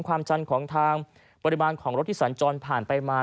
ของทางบริมาณของรถสารจนผ่านไปมา